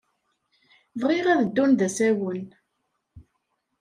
Bɣiɣ ad ddun d asawen.